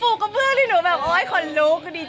เพราะว่าผมก็เพิ่งที่หนูอ้ออย่าคนลุก